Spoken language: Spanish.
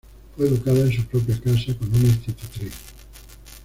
Fue educada en su propia casa, con una institutriz.